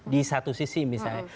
di satu sisi misalnya